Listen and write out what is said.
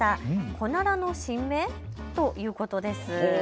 コナラの新芽？ということです。